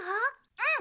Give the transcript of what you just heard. うん。